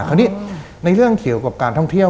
คราวนี้ในเรื่องเกี่ยวกับการท่องเที่ยว